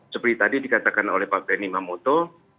seperti tadi dikatakan oleh pak benny mamoto